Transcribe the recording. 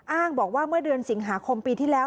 อ้างบอกว่าเมื่อเดือนสิงหาคมปีที่แล้ว